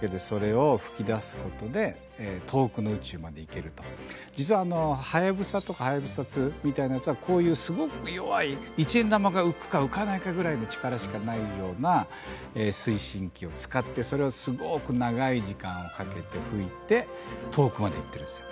けれどもすごく実は「はやぶさ」とか「はやぶさ２」みたいなやつはこういうすごく弱いの力しかないような推進機を使ってそれをすごく長い時間をかけて噴いて遠くまで行ってるんですよ。